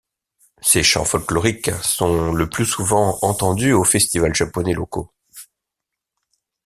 Ces chants folkloriques sont le plus souvent entendus aux festivals japonais locaux.